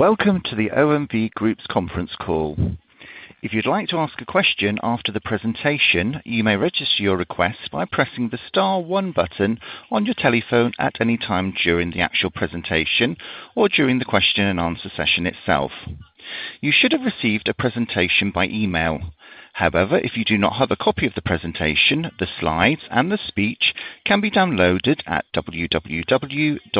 Welcome to the OMV Group's conference call. If you'd like to ask a question after the presentation, you may register your request by pressing the star one button on your telephone at any time during the actual presentation or during the question and answer session itself. You should have received a presentation by email. However, if you do not have a copy of the presentation, the slides and the speech can be downloaded at www.omv.com.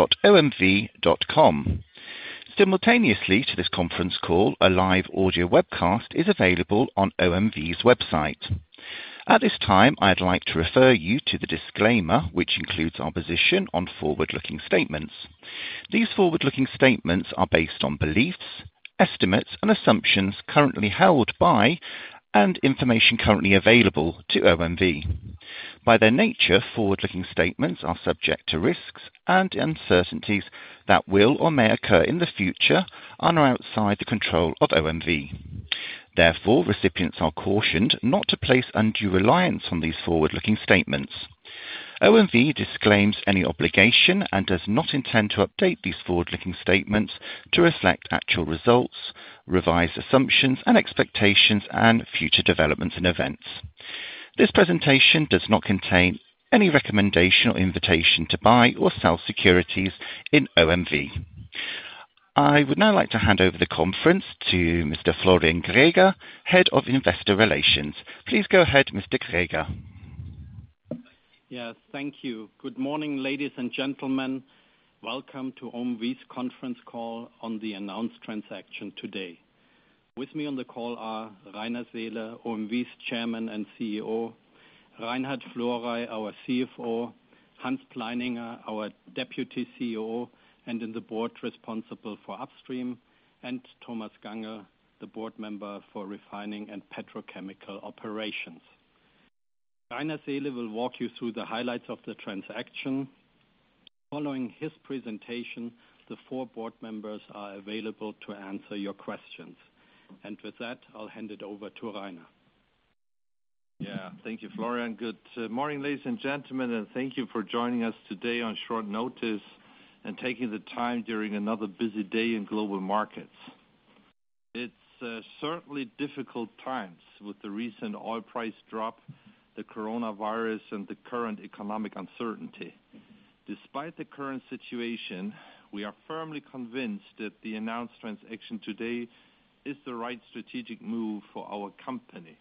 Simultaneously to this conference call, a live audio webcast is available on OMV's website. At this time, I'd like to refer you to the disclaimer, which includes our position on forward-looking statements. These forward-looking statements are based on beliefs, estimates, and assumptions currently held by and information currently available to OMV. By their nature, forward-looking statements are subject to risks and uncertainties that will or may occur in the future and are outside the control of OMV. Therefore, recipients are cautioned not to place undue reliance on these forward-looking statements. OMV disclaims any obligation and does not intend to update these forward-looking statements to reflect actual results, revised assumptions and expectations, and future developments and events. This presentation does not contain any recommendation or invitation to buy or sell securities in OMV. I would now like to hand over the conference to Mr. Florian Greger, Head of Investor Relations. Please go ahead, Mr. Greger. Yes, thank you. Good morning, ladies and gentlemen. Welcome to OMV's conference call on the announced transaction today. With me on the call are Rainer Seele, OMV's Chairman and CEO, Reinhard Florey, our CFO, Johann Pleininger, our Deputy CEO, and in the board responsible for upstream, and Thomas Gangl, the board member for refining and petrochemical operations. Rainer Seele will walk you through the highlights of the transaction. Following his presentation, the four board members are available to answer your questions. With that, I'll hand it over to Rainer. Yeah. Thank you, Florian. Thank you for joining us today on short notice and taking the time during another busy day in global markets. It is certainly difficult times with the recent oil price drop, the coronavirus, and the current economic uncertainty. Despite the current situation, we are firmly convinced that the announced transaction today is the right strategic move for our company.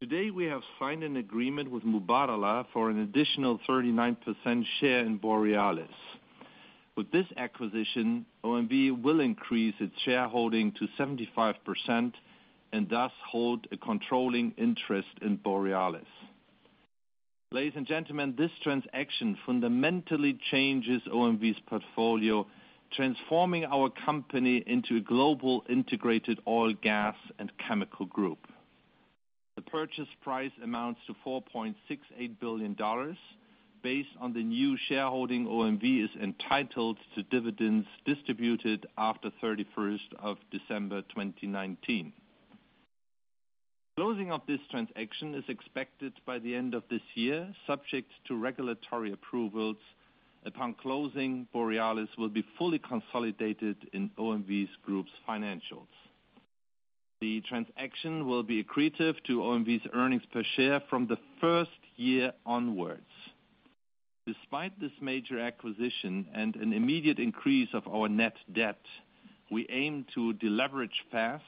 Today, we have signed an agreement with Mubadala for an additional 39% share in Borealis. With this acquisition, OMV will increase its shareholding to 75% and thus hold a controlling interest in Borealis. Ladies and gentlemen, this transaction fundamentally changes OMV's portfolio, transforming our company into a global integrated oil, gas, and chemical group. The purchase price amounts to $4.68 billion. Based on the new shareholding, OMV is entitled to dividends distributed after 31st of December 2019. Closing of this transaction is expected by the end of this year, subject to regulatory approvals. Upon closing, Borealis will be fully consolidated in OMV Group's financials. The transaction will be accretive to OMV's earnings per share from the first year onwards. Despite this major acquisition and an immediate increase of our net debt, we aim to deleverage fast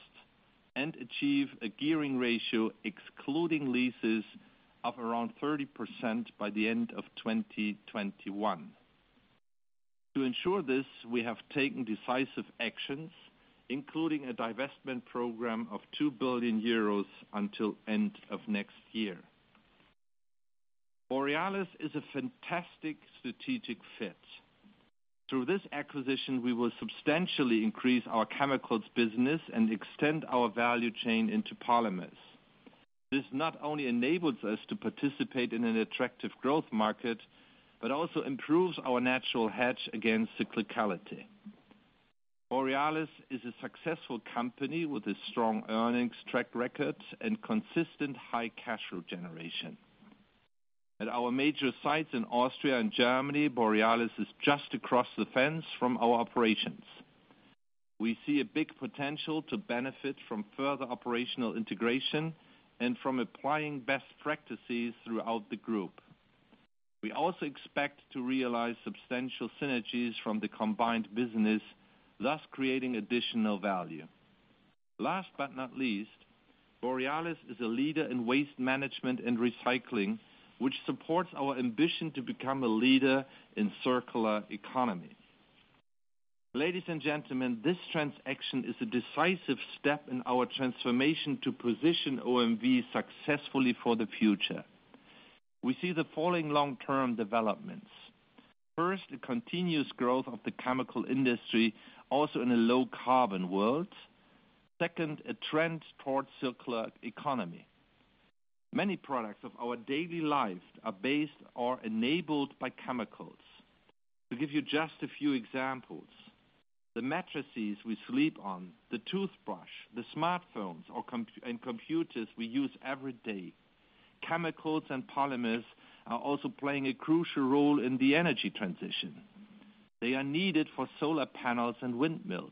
and achieve a gearing ratio excluding leases of around 30% by the end of 2021. To ensure this, we have taken decisive actions, including a divestment program of 2 billion euros until end of next year. Borealis is a fantastic strategic fit. Through this acquisition, we will substantially increase our chemicals business and extend our value chain into polymers. This not only enables us to participate in an attractive growth market, but also improves our natural hedge against cyclicality. Borealis is a successful company with a strong earnings track record and consistent high cash flow generation. At our major sites in Austria and Germany, Borealis is just across the fence from our operations. We see a big potential to benefit from further operational integration and from applying best practices throughout the group. We also expect to realize substantial synergies from the combined business, thus creating additional value. Last but not least, Borealis is a leader in waste management and recycling, which supports our ambition to become a leader in circular economy. Ladies and gentlemen, this transaction is a decisive step in our transformation to position OMV successfully for the future. We see the following long-term developments. First, the continuous growth of the chemical industry, also in a low-carbon world. Second, a trend towards circular economy. Many products of our daily life are based or enabled by chemicals. To give you just a few examples, the mattresses we sleep on, the toothbrush, the smartphones, and computers we use every day. Chemicals and polymers are also playing a crucial role in the energy transition. They are needed for solar panels and windmills.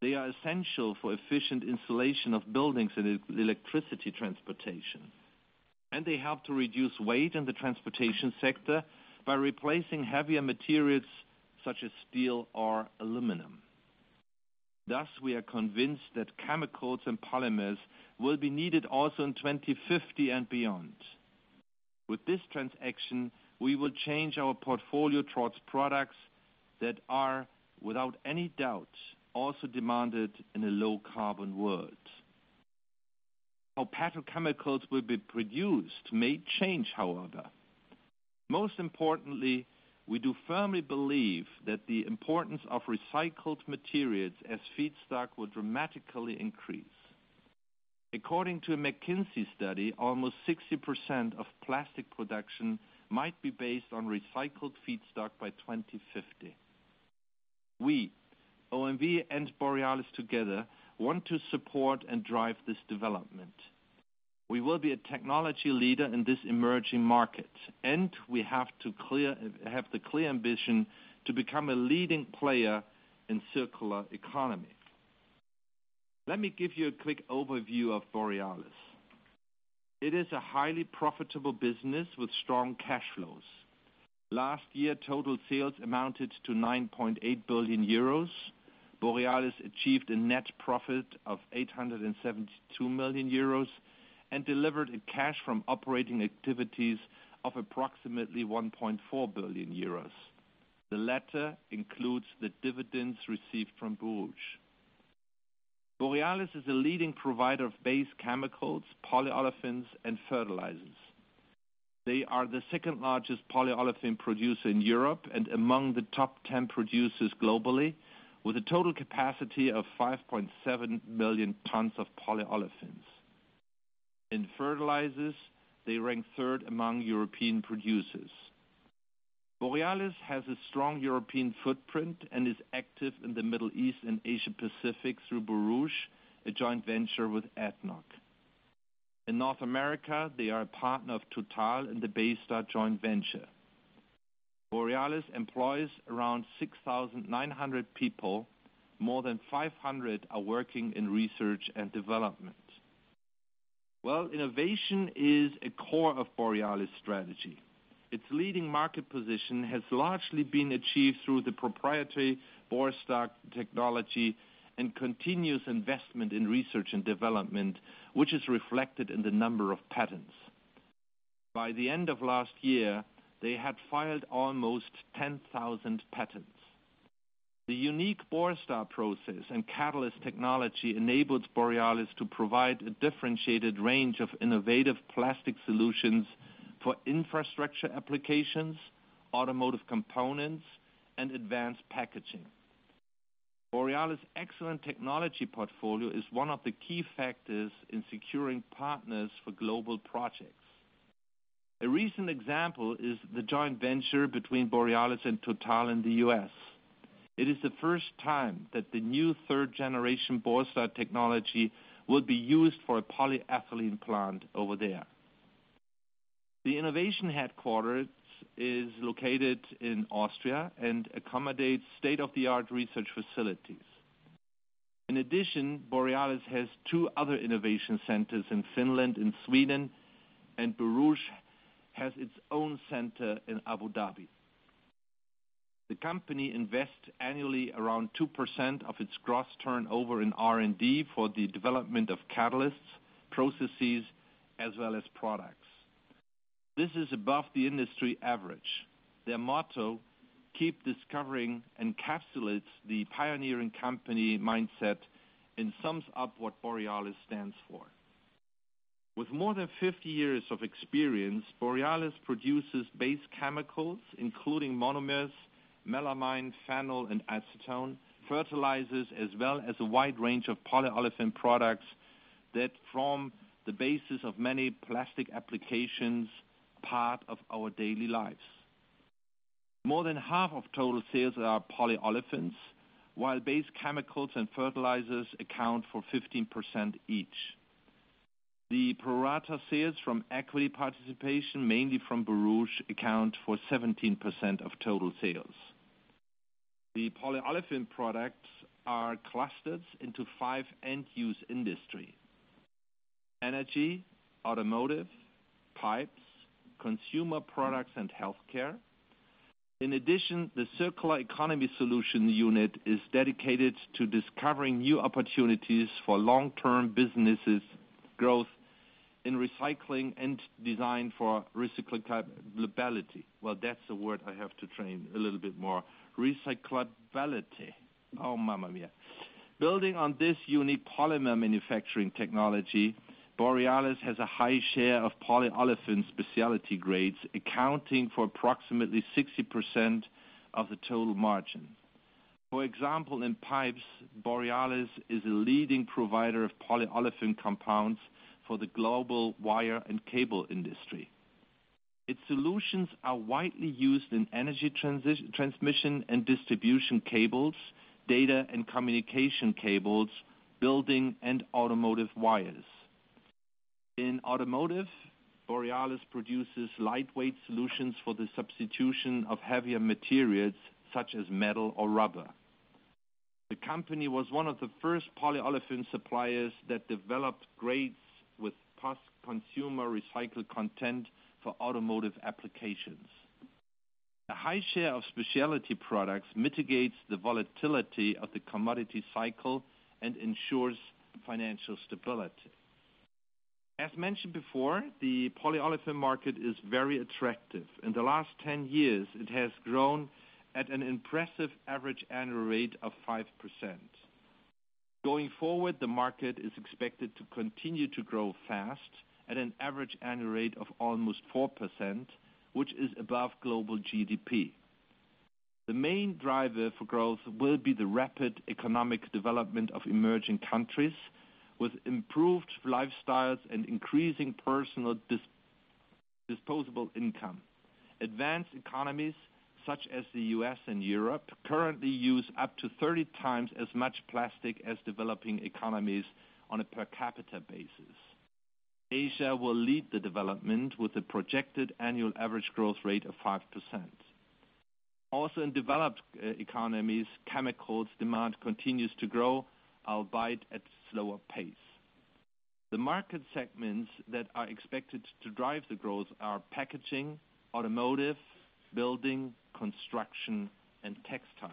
They are essential for efficient insulation of buildings and electricity transportation. They help to reduce weight in the transportation sector by replacing heavier materials such as steel or aluminum. Thus, we are convinced that chemicals and polymers will be needed also in 2050 and beyond. With this transaction, we will change our portfolio towards products that are, without any doubt, also demanded in a low-carbon world. How petrochemicals will be produced may change, however. Most importantly, we do firmly believe that the importance of recycled materials as feedstock will dramatically increase. According to a McKinsey study, almost 60% of plastic production might be based on recycled feedstock by 2050. We, OMV and Borealis together, want to support and drive this development. We will be a technology leader in this emerging market, and we have the clear ambition to become a leading player in circular economy. Let me give you a quick overview of Borealis. It is a highly profitable business with strong cash flows. Last year, total sales amounted to 9.8 billion euros. Borealis achieved a net profit of 872 million euros and delivered a cash from operating activities of approximately 1.4 billion euros. The latter includes the dividends received from Borouge. Borealis is a leading provider of base chemicals, polyolefins, and fertilizers. They are the second-largest polyolefin producer in Europe and among the top 10 producers globally, with a total capacity of 5.7 million tons of polyolefins. In fertilizers, they rank third among European producers. Borealis has a strong European footprint and is active in the Middle East and Asia-Pacific through Borouge, a joint venture with ADNOC. In North America, they are a partner of Total in the Baystar joint venture. Borealis employs around 6,900 people. More than 500 are working in research and development. Well, innovation is a core of Borealis' strategy. Its leading market position has largely been achieved through the proprietary Borstar technology and continuous investment in research and development, which is reflected in the number of patents. By the end of last year, they had filed almost 10,000 patents. The unique Borstar process and catalyst technology enables Borealis to provide a differentiated range of innovative plastic solutions for infrastructure applications, automotive components, and advanced packaging. Borealis' excellent technology portfolio is one of the key factors in securing partners for global projects. A recent example is the joint venture between Borealis and Total in the U.S. It is the first time that the new third-generation Borstar technology will be used for a polyethylene plant over there. The innovation headquarters is located in Austria and accommodates state-of-the-art research facilities. In addition, Borealis has two other innovation centers in Finland and Sweden, and Borouge has its own center in Abu Dhabi. The company invests annually around 2% of its gross turnover in R&D for the development of catalysts, processes, as well as products. This is above the industry average. Their motto, "Keep Discovering," encapsulates the pioneering company mindset and sums up what Borealis stands for. With more than 50 years of experience, Borealis produces base chemicals, including monomers, melamine, phenol, and acetone, fertilizers, as well as a wide range of polyolefin products that form the basis of many plastic applications part of our daily lives. More than half of total sales are polyolefins, while base chemicals and fertilizers account for 15% each. The pro-rata sales from equity participation, mainly from Borouge, account for 17% of total sales. The polyolefin products are clustered into five end-use industry: energy, automotive, pipes, consumer products, and healthcare. In addition, the Circular Economy Solutions unit is dedicated to discovering new opportunities for long-term businesses growth in recycling and design for recyclability. Well, that's a word I have to train a little bit more. Recyclability. Oh, mamma mia. Building on this unique polymer manufacturing technology, Borealis has a high share of polyolefin specialty grades, accounting for approximately 60% of the total margin. For example, in pipes, Borealis is a leading provider of polyolefin compounds for the global wire and cable industry. Its solutions are widely used in energy transmission and distribution cables, data and communication cables, building and automotive wires. In automotive, Borealis produces lightweight solutions for the substitution of heavier materials such as metal or rubber. The company was one of the first polyolefin suppliers that developed grades with post-consumer recycled content for automotive applications. A high share of specialty products mitigates the volatility of the commodity cycle and ensures financial stability. As mentioned before, the polyolefin market is very attractive. In the last 10 years, it has grown at an impressive average annual rate of 5%. Going forward, the market is expected to continue to grow fast at an average annual rate of almost 4%, which is above global GDP. The main driver for growth will be the rapid economic development of emerging countries with improved lifestyles and increasing personal disposable income. Advanced economies, such as the U.S. and Europe, currently use up to 30 times as much plastic as developing economies on a per capita basis. Asia will lead the development with a projected annual average growth rate of 5%. In developed economies, chemicals demand continues to grow, albeit at slower pace. The market segments that are expected to drive the growth are packaging, automotive, building, construction, and textiles.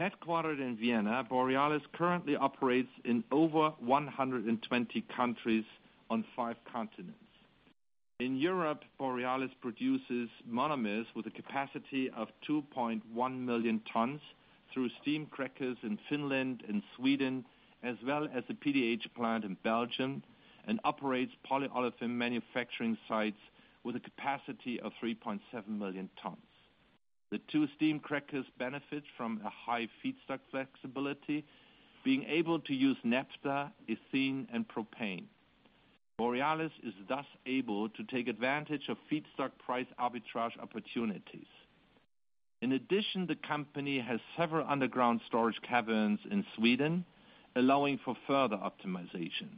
Headquartered in Vienna, Borealis currently operates in over 120 countries on five continents. In Europe, Borealis produces monomers with a capacity of 2.1 million tons through steam crackers in Finland and Sweden, as well as the PDH plant in Belgium, and operates polyolefin manufacturing sites with a capacity of 3.7 million tons. The two steam crackers benefit from a high feedstock flexibility, being able to use naphtha, ethane, and propane. Borealis is thus able to take advantage of feedstock price arbitrage opportunities. In addition, the company has several underground storage caverns in Sweden, allowing for further optimization.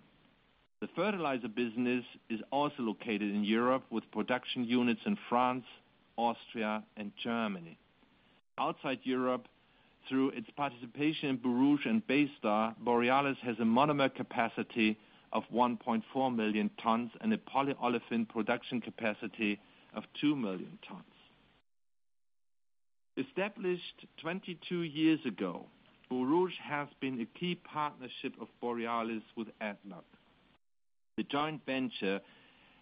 The fertilizer business is also located in Europe with production units in France, Austria, and Germany. Outside Europe, through its participation in Borouge and Baystar, Borealis has a monomer capacity of 1.4 million tons and a polyolefin production capacity of 2 million tons. Established 22 years ago, Borouge has been a key partnership of Borealis with ADNOC. The joint venture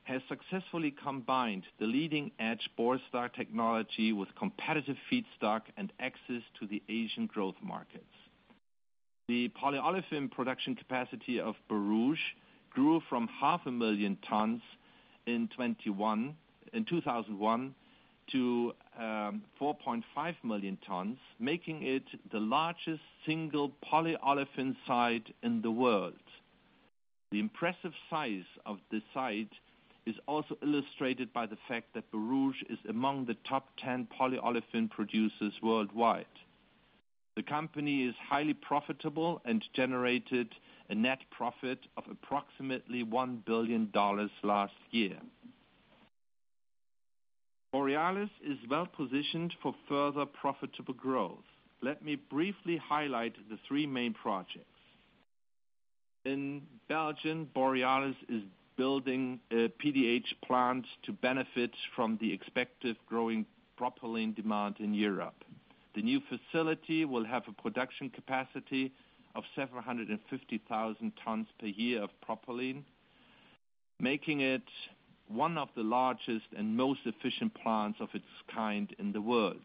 has successfully combined the leading-edge Borstar technology with competitive feedstock and access to the Asian growth markets. The polyolefin production capacity of Borouge grew from half a million tons in 2001 to 4.5 million tons, making it the largest single polyolefin site in the world. The impressive size of this site is also illustrated by the fact that Borouge is among the top 10 polyolefin producers worldwide. The company is highly profitable and generated a net profit of approximately $1 billion last year. Borealis is well-positioned for further profitable growth. Let me briefly highlight the three main projects. In Belgium, Borealis is building a PDH plant to benefit from the expected growing propylene demand in Europe. The new facility will have a production capacity of 750,000 tons per year of propylene, making it one of the largest and most efficient plants of its kind in the world.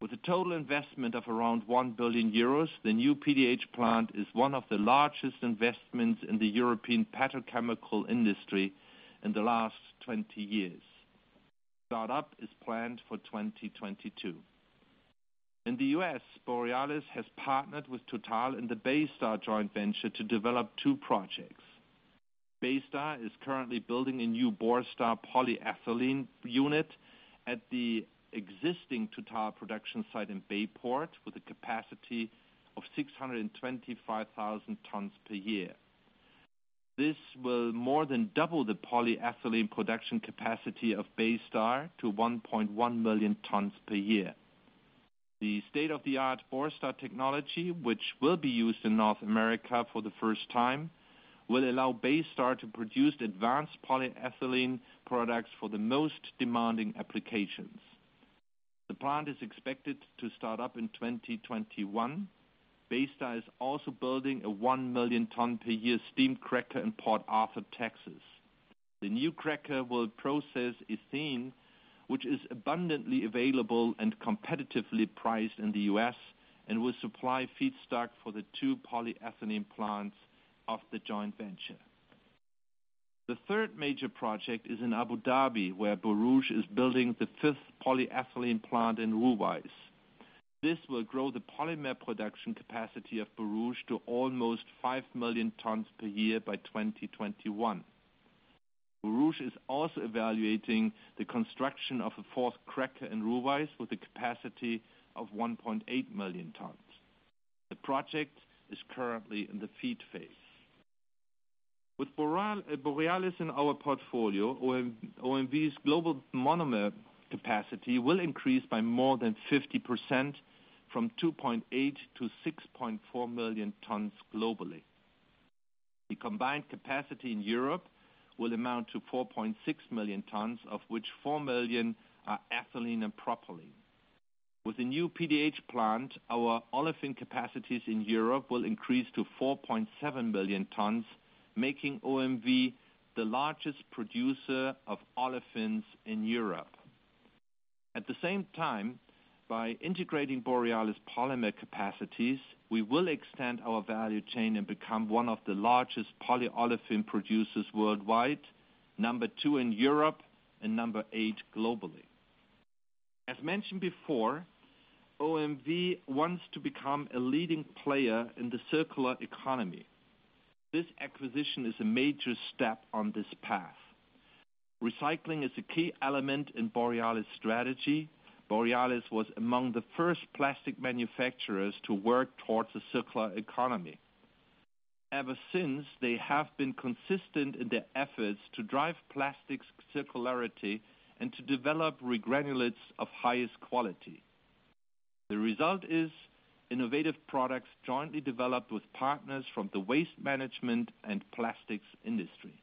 With a total investment of around 1 billion euros, the new PDH plant is one of the largest investments in the European petrochemical industry in the last 20 years. Startup is planned for 2022. In the U.S., Borealis has partnered with Total in the Baystar joint venture to develop two projects. Baystar is currently building a new Borstar polyethylene unit at the existing Total production site in Bayport with a capacity of 625,000 tons per year. This will more than double the polyethylene production capacity of Baystar to 1.1 million tons per year. The state-of-the-art Borstar technology, which will be used in North America for the first time, will allow Baystar to produce advanced polyethylene products for the most demanding applications. The plant is expected to startup in 2021. Baystar is also building a 1 million ton per year steam cracker in Port Arthur, Texas. The new cracker will process ethane, which is abundantly available and competitively priced in the U.S., and will supply feedstock for the two polyethylene plants of the joint venture. The third major project is in Abu Dhabi, where Borouge is building the fifth polyethylene plant in Ruwais. This will grow the polymer production capacity of Borouge to almost 5 million tons per year by 2021. Borouge is also evaluating the construction of a fourth cracker in Ruwais with a capacity of 1.8 million tons. The project is currently in the FEED phase. With Borealis in our portfolio, OMV's global monomer capacity will increase by more than 50%, from 2.8 to 6.4 million tons globally. The combined capacity in Europe will amount to 4.6 million tons, of which 4 million are ethylene and propylene. With a new PDH plant, our olefin capacities in Europe will increase to 4.7 million tons, making OMV the largest producer of olefins in Europe. At the same time, by integrating Borealis polymer capacities, we will extend our value chain and become one of the largest polyolefin producers worldwide, number two in Europe, and number eight globally. As mentioned before, OMV wants to become a leading player in the circular economy. This acquisition is a major step on this path. Recycling is a key element in Borealis strategy. Borealis was among the first plastic manufacturers to work towards a circular economy. Ever since, they have been consistent in their efforts to drive plastics circularity and to develop regranulates of highest quality. The result is innovative products jointly developed with partners from the waste management and plastics industry.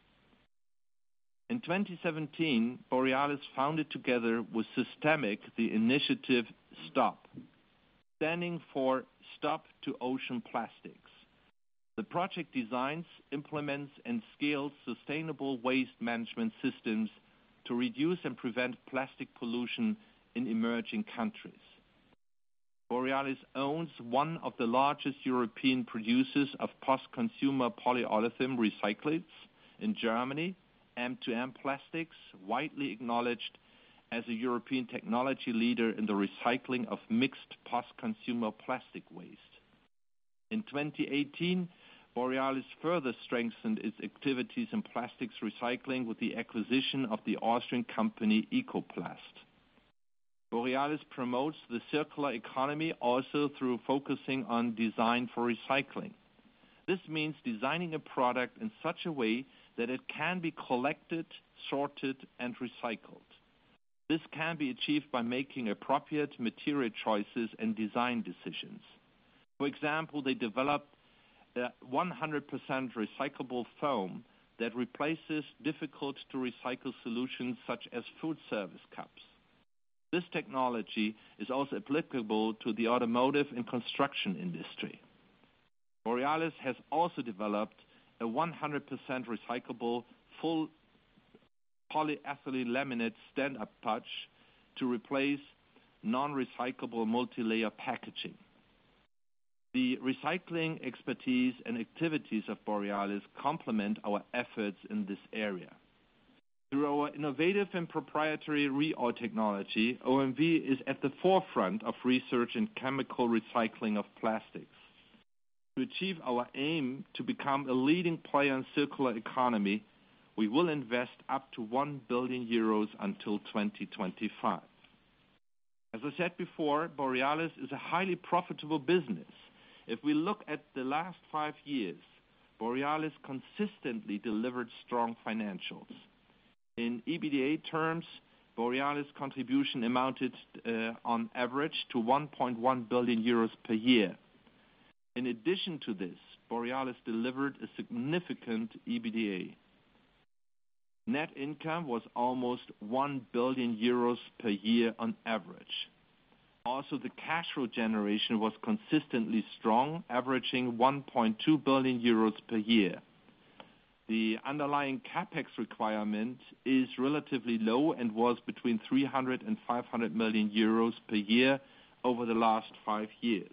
In 2017, Borealis founded together with Systemiq, the initiative STOP, standing for STop Ocean Plastics. The project designs, implements, and scales sustainable waste management systems to reduce and prevent plastic pollution in emerging countries. Borealis owns one of the largest European producers of post-consumer polyolefin recyclates in Germany, mtm plastics, widely acknowledged as a European technology leader in the recycling of mixed post-consumer plastic waste. In 2018, Borealis further strengthened its activities in plastics recycling with the acquisition of the Austrian company, Ecoplast. Borealis promotes the circular economy also through focusing on design for recycling. This means designing a product in such a way that it can be collected, sorted, and recycled. This can be achieved by making appropriate material choices and design decisions. For example, they developed a 100% recyclable foam that replaces difficult-to-recycle solutions such as food service cups. This technology is also applicable to the automotive and construction industry. Borealis has also developed a 100% recyclable full polyethylene laminate stand-up pouch to replace non-recyclable multilayer packaging. The recycling expertise and activities of Borealis complement our efforts in this area. Through our innovative and proprietary ReOil technology, OMV is at the forefront of research in chemical recycling of plastics. To achieve our aim to become a leading player in circular economy, we will invest up to 1 billion euros until 2025. As I said before, Borealis is a highly profitable business. If we look at the last five years, Borealis consistently delivered strong financials. In EBITDA terms, Borealis contribution amounted on average to 1.1 billion euros per year. In addition to this, Borealis delivered a significant EBITDA. Net income was almost 1 billion euros per year on average. Also, the cash flow generation was consistently strong, averaging 1.2 billion euros per year. The underlying CapEx requirement is relatively low and was between 300 million euros and 500 million euros per year over the last five years.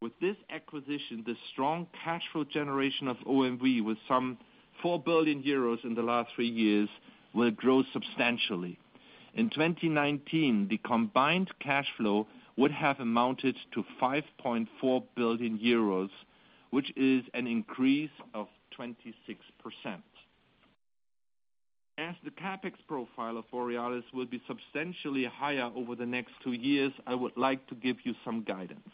With this acquisition, the strong cash flow generation of OMV, with some 4 billion euros in the last three years, will grow substantially. In 2019, the combined cash flow would have amounted to 5.4 billion euros, which is an increase of 26%. As the CapEx profile of Borealis will be substantially higher over the next two years, I would like to give you some guidance.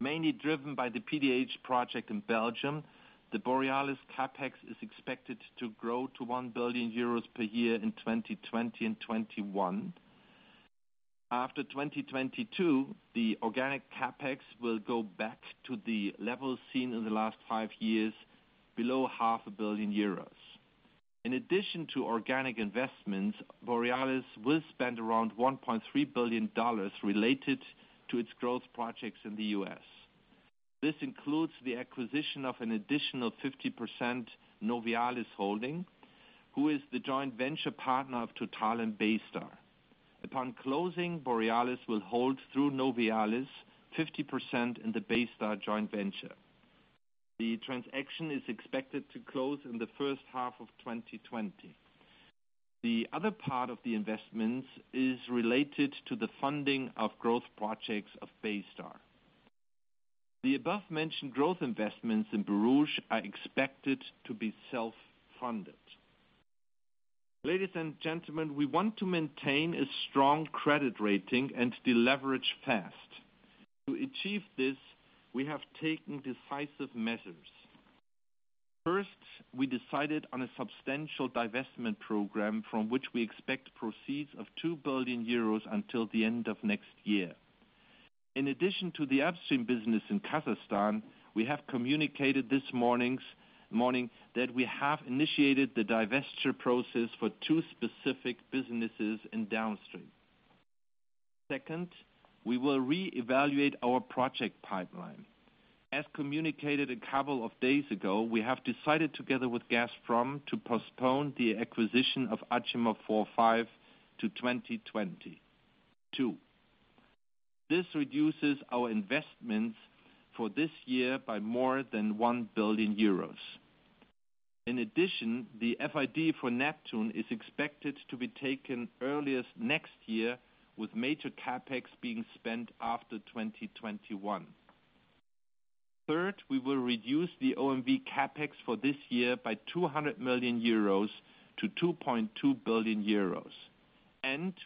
Mainly driven by the PDH project in Belgium, the Borealis CapEx is expected to grow to 1 billion euros per year in 2020 and 2021. After 2022, the organic CapEx will go back to the levels seen in the last five years, below half a billion euros. In addition to organic investments, Borealis will spend around $1.3 billion related to its growth projects in the U.S. This includes the acquisition of an additional 50% Novealis holding, who is the joint venture partner of Total and Baystar. Upon closing, Borealis will hold through Novealis 50% in the Baystar joint venture. The transaction is expected to close in the first half of 2020. The other part of the investments is related to the funding of growth projects of Baystar. The above-mentioned growth investments in Borouge are expected to be self-funded. Ladies and gentlemen, we want to maintain a strong credit rating and deleverage fast. To achieve this, we have taken decisive measures. First, we decided on a substantial divestment program from which we expect proceeds of 2 billion euros until the end of next year. In addition to the upstream business in Kazakhstan, we have communicated this morning that we have initiated the divestiture process for two specific businesses in downstream. Second, we will reevaluate our project pipeline. As communicated a couple of days ago, we have decided together with Gazprom to postpone the acquisition of Achimov 4/5 to 2022. This reduces our investments for this year by more than 1 billion euros. In addition, the FID for Neptun is expected to be taken earliest next year, with major CapEx being spent after 2021. Third, we will reduce the OMV CapEx for this year by 200 million euros to 2.2 billion euros.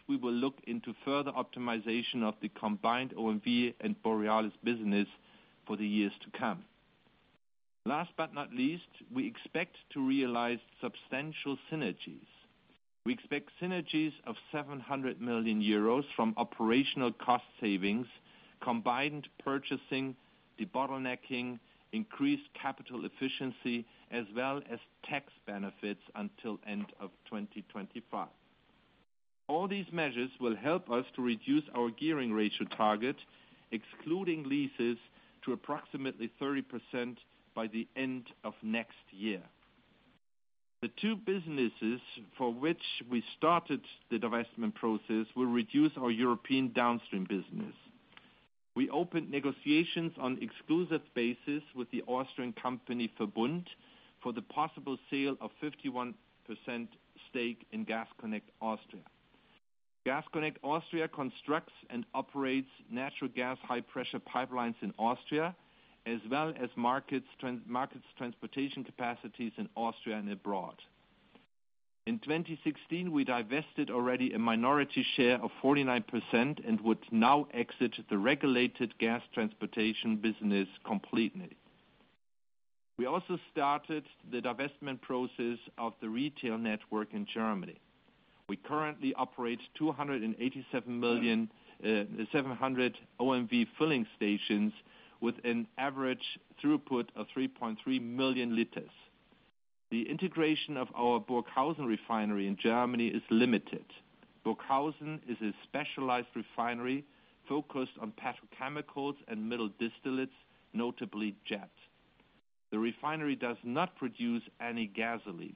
We will look into further optimization of the combined OMV and Borealis business for the years to come. Last but not least, we expect to realize substantial synergies. We expect synergies of 700 million euros from operational cost savings, combined purchasing, debottlenecking, increased capital efficiency, as well as tax benefits until end of 2025. All these measures will help us to reduce our gearing ratio target, excluding leases, to approximately 30% by the end of next year. The two businesses for which we started the divestment process will reduce our European downstream business. We opened negotiations on exclusive basis with the Austrian company, VERBUND, for the possible sale of 51% stake in Gas Connect Austria. Gas Connect Austria constructs and operates natural gas high-pressure pipelines in Austria, as well as markets transportation capacities in Austria and abroad. In 2016, we divested already a minority share of 49% and would now exit the regulated gas transportation business completely. We also started the divestment process of the retail network in Germany. We currently operate 287 million and 700 OMV filling stations with an average throughput of 3.3 million liters. The integration of our Burghausen refinery in Germany is limited. Burghausen is a specialized refinery focused on petrochemicals and middle distillates, notably jet. The refinery does not produce any gasoline.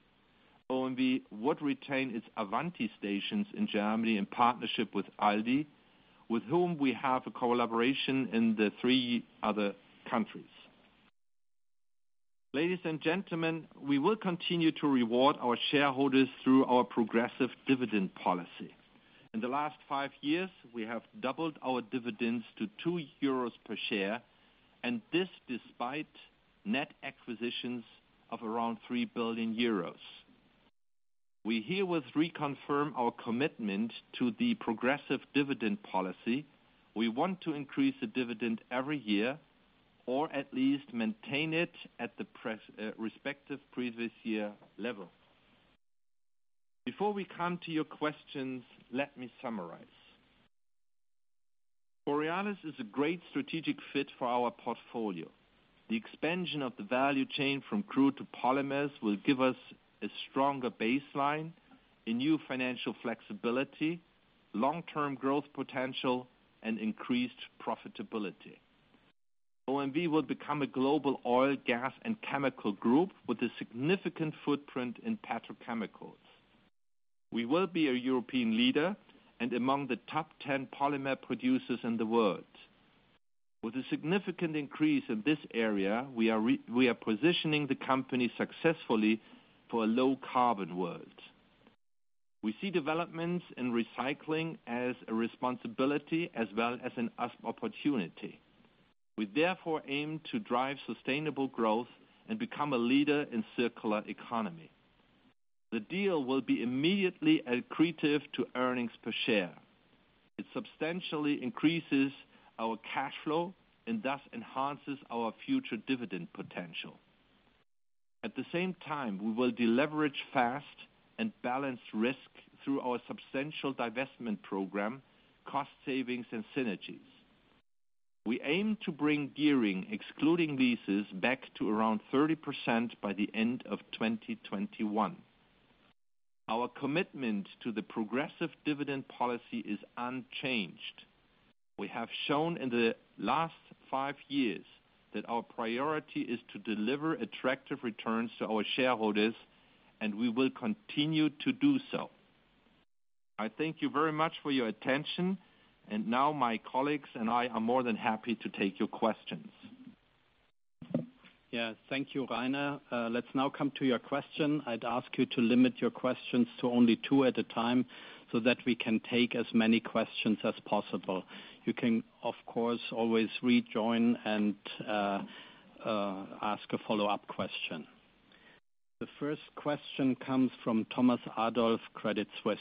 OMV would retain its Avanti stations in Germany in partnership with Aldi, with whom we have a collaboration in the three other countries. Ladies and gentlemen, we will continue to reward our shareholders through our progressive dividend policy. In the last five years, we have doubled our dividends to 2 euros per share, and this despite net acquisitions of around 3 billion euros. We herewith reconfirm our commitment to the progressive dividend policy. We want to increase the dividend every year, or at least maintain it at the respective previous year level. Before we come to your questions, let me summarize. Borealis is a great strategic fit for our portfolio. The expansion of the value chain from crude to polymers will give us a stronger baseline, a new financial flexibility, long-term growth potential, and increased profitability. OMV will become a global oil, gas, and chemical group with a significant footprint in petrochemicals. We will be a European leader and among the top 10 polymer producers in the world. With a significant increase in this area, we are positioning the company successfully for a low-carbon world. We see developments in recycling as a responsibility as well as an opportunity. We therefore aim to drive sustainable growth and become a leader in circular economy. The deal will be immediately accretive to earnings per share. It substantially increases our cash flow and thus enhances our future dividend potential. At the same time, we will deleverage fast and balance risk through our substantial divestment program, cost savings, and synergies. We aim to bring gearing, excluding leases, back to around 30% by the end of 2021. Our commitment to the progressive dividend policy is unchanged. We have shown in the last five years that our priority is to deliver attractive returns to our shareholders, and we will continue to do so. I thank you very much for your attention, and now my colleagues and I are more than happy to take your questions. Yes, thank you, Rainer. Let's now come to your question. I'd ask you to limit your questions to only two at a time so that we can take as many questions as possible. You can, of course, always rejoin and ask a follow-up question. The first question comes from Thomas Adolff, Credit Suisse.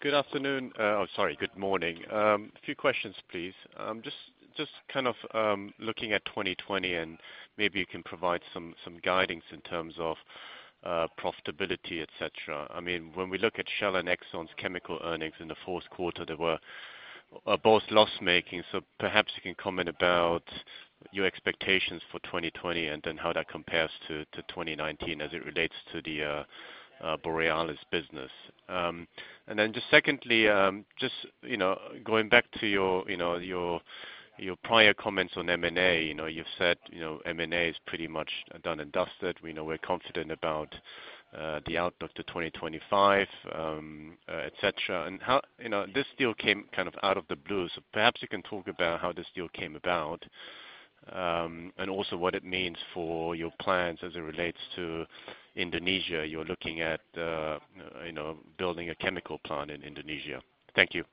Good afternoon. Oh, sorry, good morning. A few questions, please. Just kind of looking at 2020, and maybe you can provide some guidances in terms of profitability, et cetera. When we look at Shell and Exxon's chemical earnings in the fourth quarter, they were both loss-making. Perhaps you can comment about your expectations for 2020, and then how that compares to 2019 as it relates to the Borealis business. Then just secondly, just going back to your prior comments on M&A. You've said M&A is pretty much done and dusted. We know we're confident about the outlook to 2025, et cetera. This deal came out of the blue, so perhaps you can talk about how this deal came about, and also what it means for your plans as it relates to Indonesia. You're looking at building a chemical plant in Indonesia. Thank you.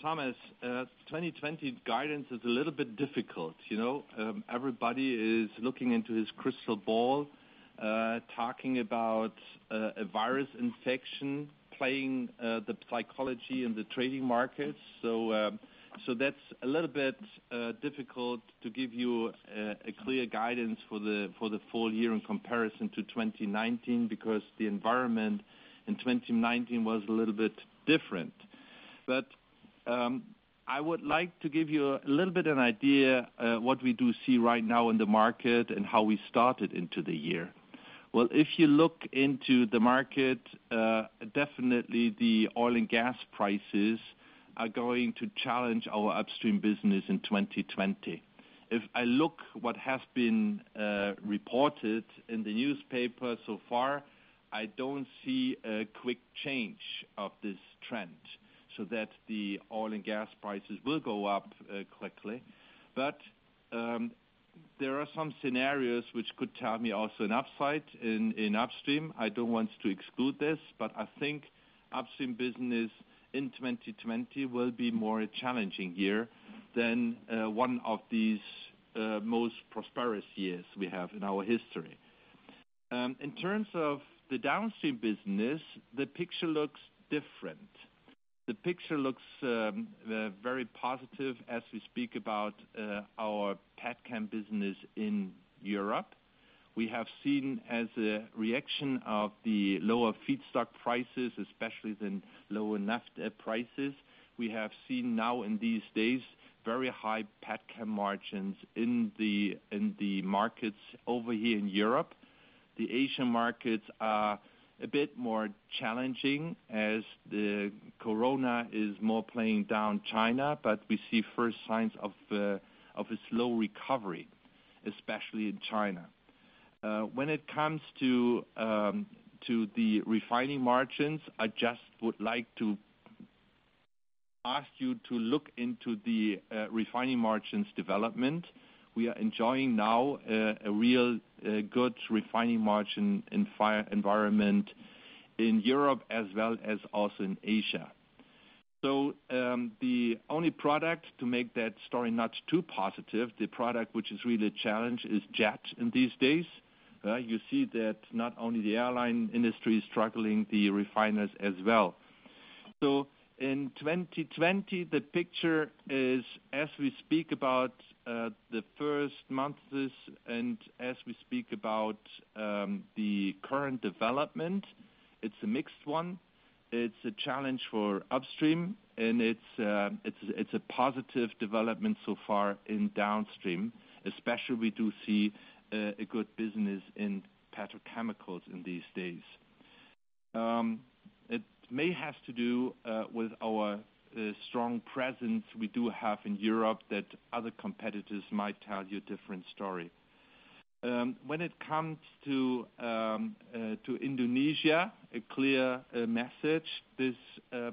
Thomas, 2020 guidance is a little bit difficult. Everybody is looking into his crystal ball, talking about a virus infection playing the psychology in the trading markets. That's a little bit difficult to give you a clear guidance for the full year in comparison to 2019, because the environment in 2019 was a little bit different. I would like to give you a little bit of an idea what we do see right now in the market and how we started into the year. If you look into the market, definitely the oil and gas prices are going to challenge our upstream business in 2020. If I look what has been reported in the newspaper so far, I don't see a quick change of this trend so that the oil and gas prices will go up quickly. There are some scenarios which could tell me also an upside in upstream. I don't want to exclude this, I think upstream business in 2020 will be more a challenging year than one of these most prosperous years we have in our history. In terms of the downstream business, the picture looks different. The picture looks very positive as we speak about our petchem business in Europe. We have seen as a reaction of the lower feedstock prices, especially the lower naphtha prices, we have seen now in these days very high petchem margins in the markets over here in Europe. The Asian markets are a bit more challenging as the Corona is more playing down China, we see first signs of a slow recovery, especially in China. When it comes to the refining margins, I just would like to ask you to look into the refining margins development. We are enjoying now a real good refining margin in fair environment in Europe as well as also in Asia. The only product to make that story not too positive, the product which is really a challenge, is jet in these days. You see that not only the airline industry is struggling, the refiners as well. In 2020, the picture is, as we speak about the first months, and as we speak about the current development, it's a mixed one. It's a challenge for upstream and it's a positive development so far in downstream. Especially, we do see a good business in petrochemicals in these days. It may have to do with our strong presence we do have in Europe that other competitors might tell you a different story. When it comes to Indonesia, a clear message, this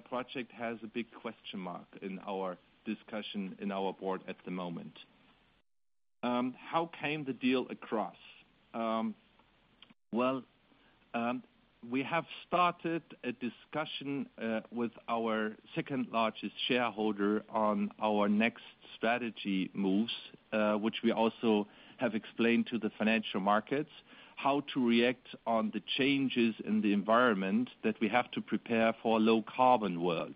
project has a big question mark in our discussion in our board at the moment. How came the deal across? Well, we have started a discussion with our second-largest shareholder on our next strategy moves, which we also have explained to the financial markets, how to react on the changes in the environment that we have to prepare for a low-carbon world.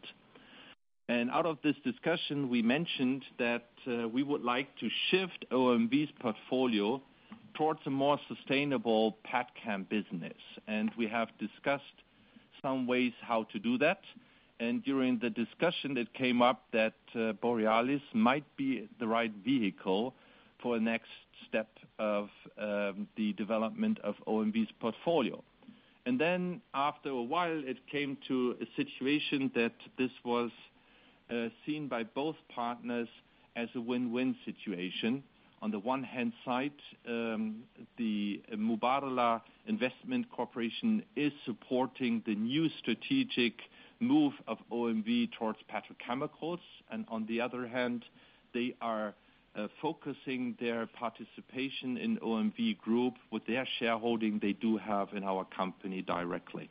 Out of this discussion, we mentioned that we would like to shift OMV's portfolio towards a more sustainable petchem business. We have discussed some ways how to do that. During the discussion, it came up that Borealis might be the right vehicle for a next step of the development of OMV's portfolio. After a while, it came to a situation that this was seen by both partners as a win-win situation. On the one hand, the Mubadala Investment Company is supporting the new strategic move of OMV towards petrochemicals, and on the other hand, they are focusing their participation in OMV Group with their shareholding they do have in our company directly.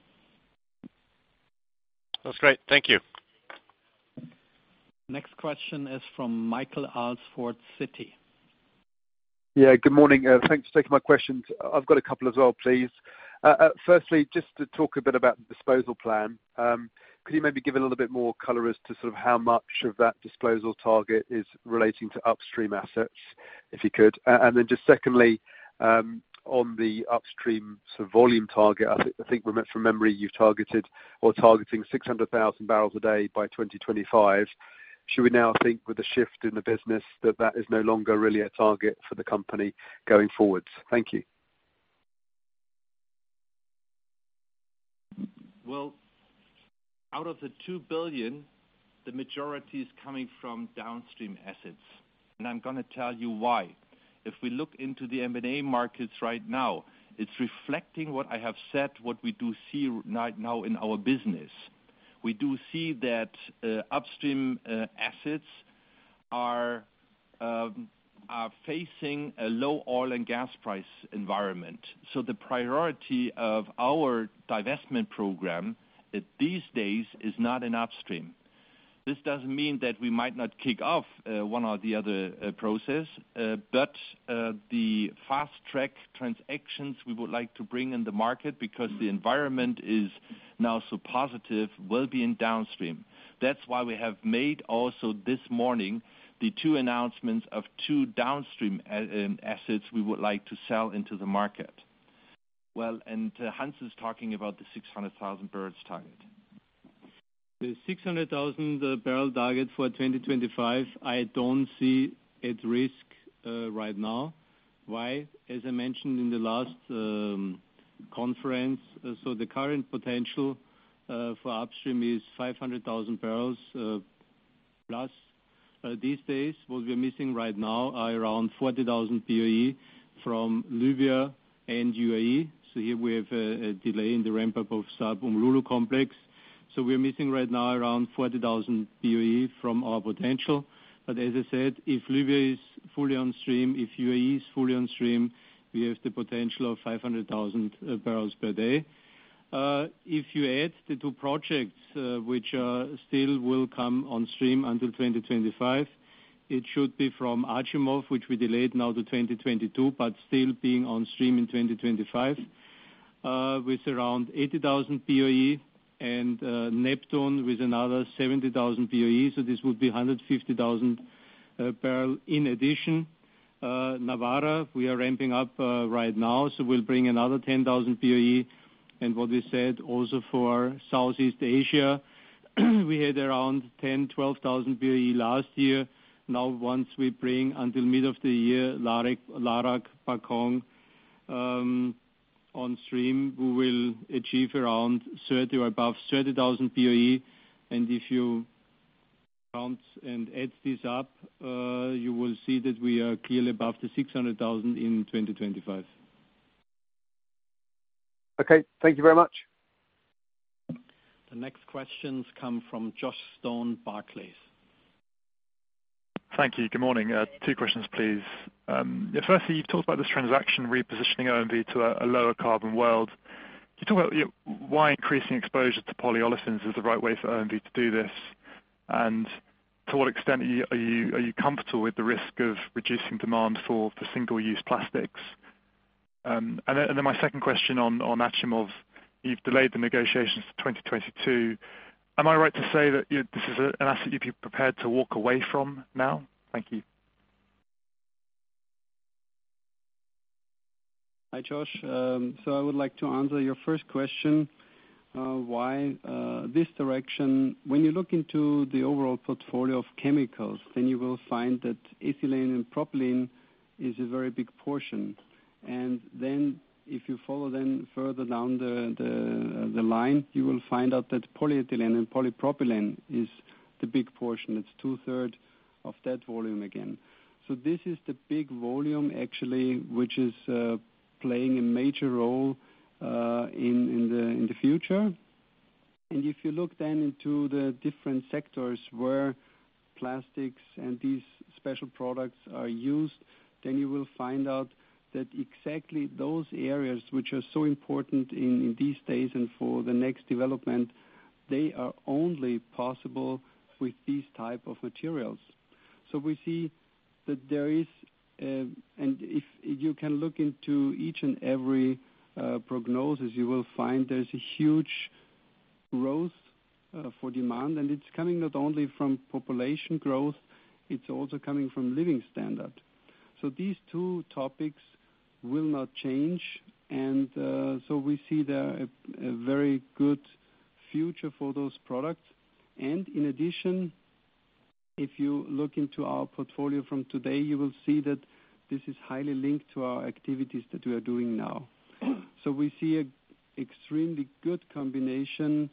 That's great. Thank you. Next question is from Michael Alsford, Citi. Yeah, good morning. Thanks for taking my questions. I've got a couple as well, please. Firstly, just to talk a bit about the disposal plan. Could you maybe give a little bit more color as to how much of that disposal target is relating to upstream assets, if you could? Just secondly, on the upstream volume target, I think from memory, you've targeted or are targeting 600,000 barrels a day by 2025. Should we now think with a shift in the business that that is no longer really a target for the company going forward? Thank you. Well, out of the 2 billion, the majority is coming from downstream assets. I'm going to tell you why. If we look into the M&A markets right now, it's reflecting what I have said, what we do see right now in our business. We do see that upstream assets are facing a low oil and gas price environment. The priority of our divestment program these days is not in upstream. This doesn't mean that we might not kick off one or the other process, but the fast-track transactions we would like to bring in the market, because the environment is now so positive, will be in downstream. That's why we have made also this morning the two announcements of two downstream assets we would like to sell into the market. Well, Hans is talking about the 600,000 barrels target. The 600,000 barrel target for 2025, I don't see at risk right now. Why? As I mentioned in the last conference, the current potential for upstream is 500,000 barrels plus. These days, what we are missing right now are around 40,000 BOE from Libya and UAE. Here we have a delay in the ramp-up of SARB and Umm Lulu Complex. We're missing right now around 40,000 BOE from our potential. As I said, if Libya is fully on stream, if UAE is fully on stream, we have the potential of 500,000 barrels per day. If you add the two projects, which are still will come on stream until 2025, it should be from Achimov, which we delayed now to 2022, but still being on stream in 2025, with around 80,000 BOE and Neptun with another 70,000 BOE. This would be 150,000 barrel. In addition, Nawara, we are ramping up right now, so we'll bring another 10,000 BOE. What we said also for Southeast Asia, we had around 10,000-12,000 BOE last year. Once we bring until middle of the year Larak, Bakong on stream, we will achieve around 30,000 or above 30,000 BOE. If you count and add this up, you will see that we are clearly above the 600,000 in 2025. Okay. Thank you very much. The next questions come from Josh Stone, Barclays. Thank you. Good morning. Two questions, please. Yeah, firstly, you've talked about this transaction repositioning OMV to a lower carbon world. Can you talk about why increasing exposure to polyolefins is the right way for OMV to do this? To what extent are you comfortable with the risk of reducing demand for single-use plastics? My second question on Achimov, you've delayed the negotiations to 2022. Am I right to say that this is an asset you'd be prepared to walk away from now? Thank you. Hi, Josh. I would like to answer your first question, why this direction? When you look into the overall portfolio of chemicals, then you will find that ethylene and propylene is a very big portion. If you follow them further down the line, you will find out that polyethylene and polypropylene is the big portion. It's two-third of that volume again. This is the big volume actually, which is playing a major role in the future. If you look then into the different sectors where plastics and these special products are used, then you will find out that exactly those areas which are so important in these days and for the next development, they are only possible with these type of materials. We see. If you can look into each and every prognosis, you will find there's a huge growth for demand, and it's coming not only from population growth, it's also coming from living standard. These two topics will not change. We see there a very good future for those products. In addition. If you look into our portfolio from today, you will see that this is highly linked to our activities that we are doing now. We see extremely good combination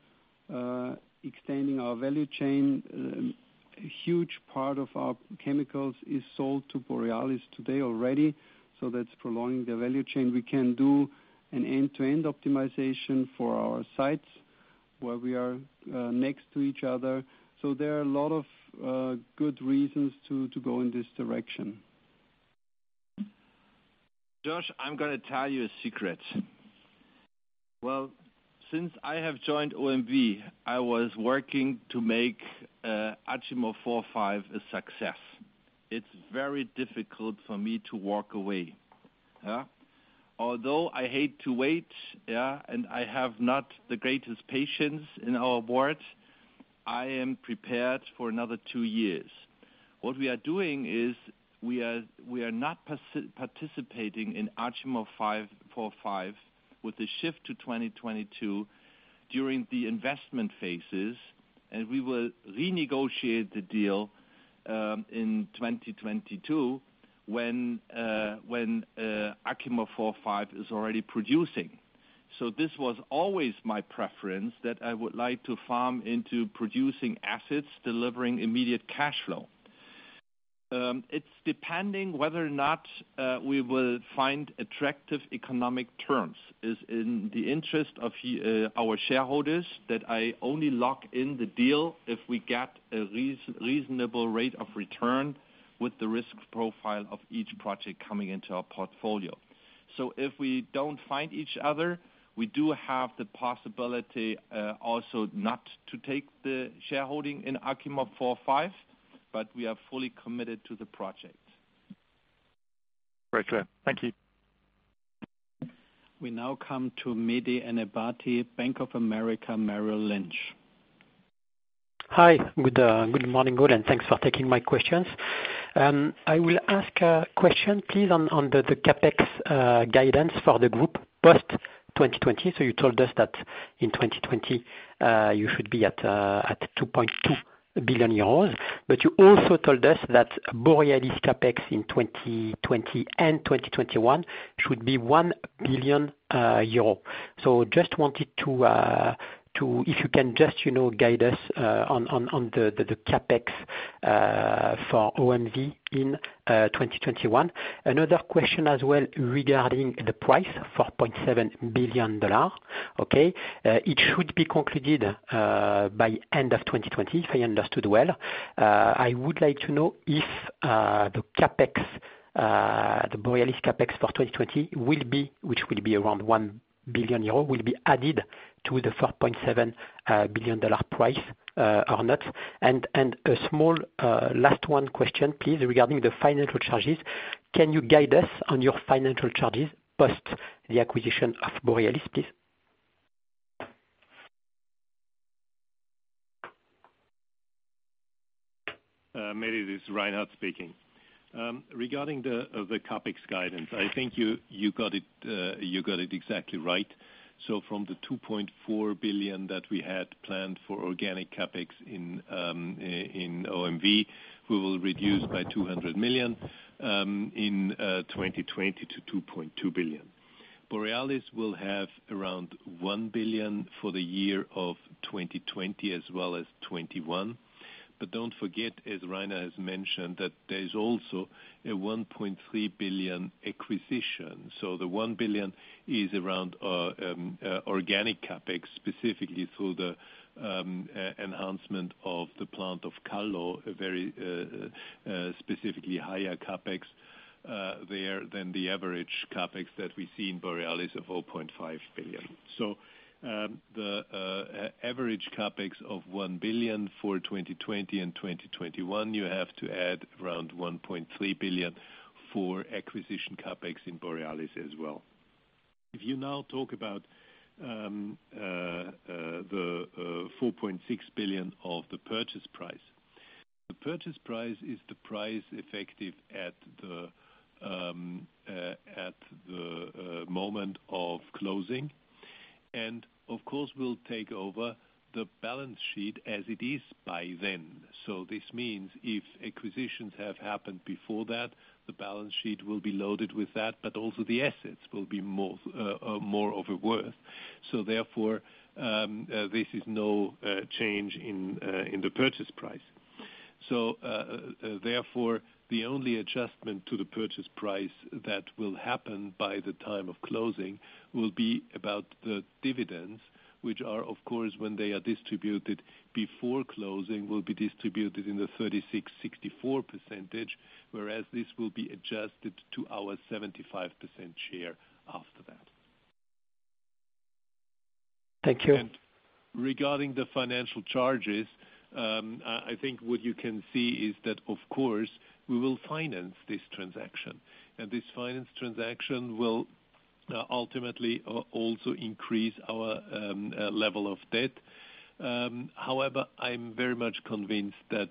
extending our value chain. A huge part of our chemicals is sold to Borealis today already, so that's prolonging the value chain. We can do an end-to-end optimization for our sites where we are next to each other. There are a lot of good reasons to go in this direction. Josh, I'm going to tell you a secret. Since I have joined OMV, I was working to make Achimov 4/5 a success. It's very difficult for me to walk away. Although I hate to wait, and I have not the greatest patience in our board, I am prepared for another two years. What we are doing is we are not participating in Achimov 4/5 with the shift to 2022 during the investment phases, we will renegotiate the deal in 2022 when Achimov 4/5 is already producing. This was always my preference that I would like to farm into producing assets, delivering immediate cash flow. It's depending whether or not we will find attractive economic terms. It's in the interest of our shareholders that I only lock in the deal if we get a reasonable rate of return with the risk profile of each project coming into our portfolio. If we don't find each other, we do have the possibility also not to take the shareholding in Achimov 4/5, but we are fully committed to the project. Very clear. Thank you. We now come to Mehdi Ennebati, Bank of America, Merrill Lynch. Hi. Good morning all, and thanks for taking my questions. I will ask a question please on the CapEx guidance for the group post 2020. You told us that in 2020, you should be at 2.2 billion euros. You also told us that Borealis CapEx in 2020 and 2021 should be 1 billion euro. Just wanted to, if you can just guide us on the CapEx for OMV in 2021. Another question as well regarding the price of $4.7 billion. Okay. It should be concluded by end of 2020, if I understood well. I would like to know if the CapEx, the Borealis CapEx for 2020, which will be around 1 billion euro, will be added to the $4.7 billion price or not. A small last one question, please, regarding the financial charges. Can you guide us on your financial charges post the acquisition of Borealis, please? Mehdi, this is Reinhard speaking. Regarding the CapEx guidance, I think you got it exactly right. From the 2.4 billion that we had planned for organic CapEx in OMV, we will reduce by 200 million in 2020 to 2.2 billion. Borealis will have around 1 billion for the year of 2020 as well as 2021. Don't forget, as Rainer has mentioned, that there is also a 1.3 billion acquisition. The 1 billion is around organic CapEx, specifically through the enhancement of the plant of Kallo, very specifically higher CapEx there than the average CapEx that we see in Borealis of 4.5 billion. The average CapEx of 1 billion for 2020 and 2021, you have to add around 1.3 billion for acquisition CapEx in Borealis as well. If you now talk about the $4.6 billion of the purchase price. The purchase price is the price effective at the moment of closing. Of course, we will take over the balance sheet as it is by then. This means if acquisitions have happened before that, the balance sheet will be loaded with that, but also the assets will be more over worth. Therefore, this is no change in the purchase price. Therefore, the only adjustment to the purchase price that will happen by the time of closing will be about the dividends, which are, of course, when they are distributed before closing, will be distributed in the 36/64 percentage, whereas this will be adjusted to our 75% share after that. Thank you. Regarding the financial charges, I think what you can see is that, of course, we will finance this transaction. This finance transaction will ultimately also increase our level of debt. However, I'm very much convinced that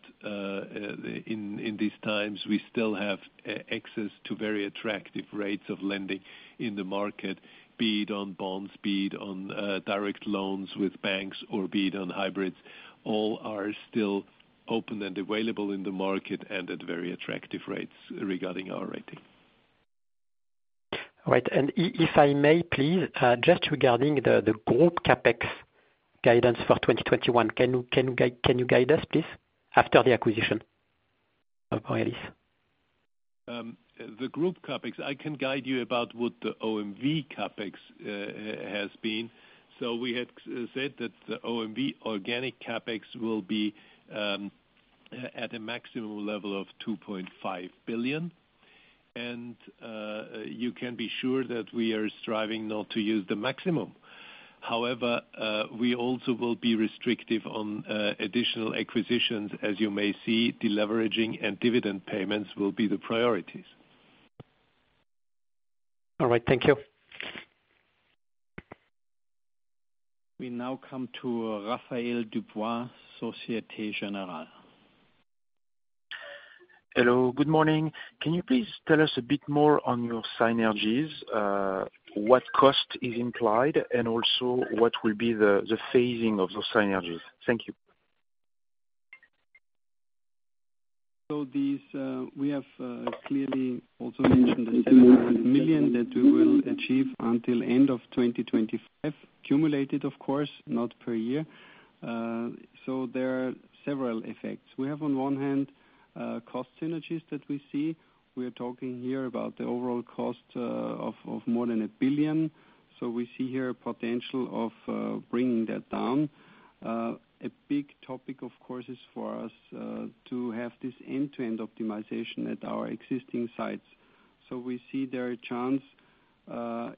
in these times, we still have access to very attractive rates of lending in the market, be it on bonds, be it on direct loans with banks or be it on hybrids. All are still open and available in the market and at very attractive rates regarding our rating. All right. If I may please, just regarding the group CapEx guidance for 2021, can you guide us please, after the acquisition of Borealis? The group CapEx, I can guide you about what the OMV CapEx has been. We had said that the OMV organic CapEx will be at a maximum level of 2.5 billion. You can be sure that we are striving not to use the maximum. However, we also will be restrictive on additional acquisitions. As you may see, deleveraging and dividend payments will be the priorities. All right. Thank you. We now come to Raphaël Dubois, Societe Generale. Hello, good morning. Can you please tell us a bit more on your synergies? What cost is implied, and also what will be the phasing of those synergies? Thank you. We have clearly also mentioned the 700 million that we will achieve until end of 2025, cumulated of course, not per year. There are several effects. We have on one hand, cost synergies that we see. We are talking here about the overall cost of more than a billion. We see here a potential of bringing that down. A big topic of course, is for us to have this end-to-end optimization at our existing sites. We see there a chance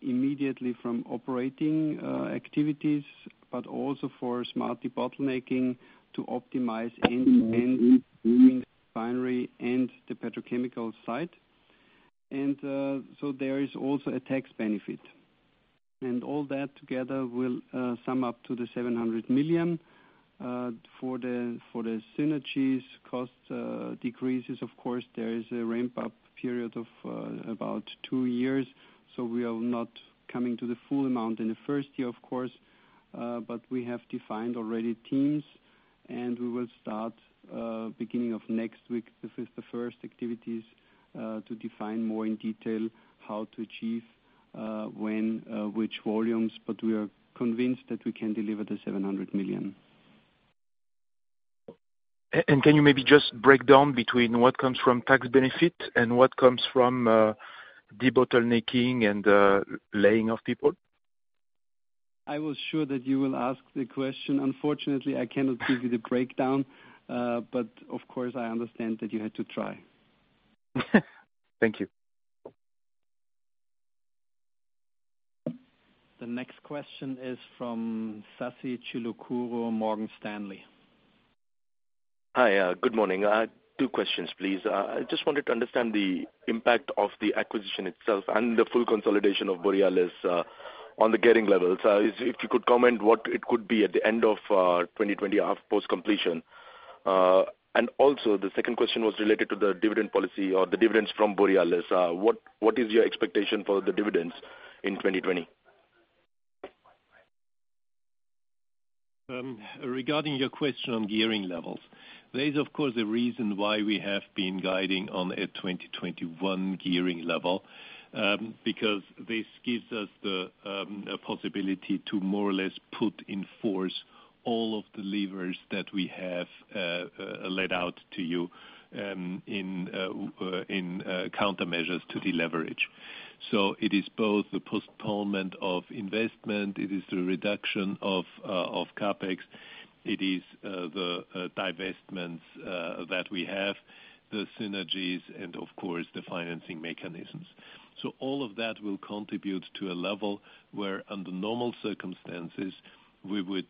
immediately from operating activities, but also for smart debottlenecking to optimize end-to-end between the refinery and the petrochemical site. There is also a tax benefit. All that together will sum up to the 700 million. For the synergies cost decreases, of course, there is a ramp-up period of about two years. We are not coming to the full amount in the first year, of course, but we have defined already teams, and we will start beginning of next week with the first activities to define more in detail how to achieve when which volumes. We are convinced that we can deliver the 700 million. Can you maybe just break down between what comes from tax benefit and what comes from debottlenecking and laying off people? I was sure that you will ask the question. Unfortunately, I cannot give you the breakdown. Of course, I understand that you had to try. Thank you. The next question is from Sasi Chilukuru, Morgan Stanley. Hi, good morning. Two questions please. I just wanted to understand the impact of the acquisition itself and the full consolidation of Borealis on the gearing levels. If you could comment what it could be at the end of 2020 post-completion. Also, the second question was related to the dividend policy or the dividends from Borealis. What is your expectation for the dividends in 2020? Regarding your question on gearing levels, there is of course a reason why we have been guiding on a 2021 gearing level. This gives us the possibility to more or less put in force all of the levers that we have laid out to you in countermeasures to deleverage. It is both the postponement of investment, it is the reduction of CapEx, it is the divestments that we have, the synergies, and of course the financing mechanisms. All of that will contribute to a level where under normal circumstances, we would